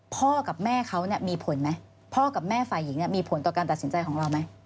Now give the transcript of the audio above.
พ่อกับแม่เขามีผลไหมพ่อกับแม่ฝ่ายหญิงมีผลต่อการตัดสินใจของเราไหม